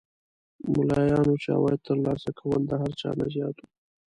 ملایانو چې عواید تر لاسه کول د هر چا نه زیات وو.